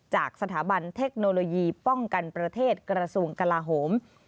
จากสถาบันเทคโนโลยีป้องกันประเทศกระทรวงกลาโหม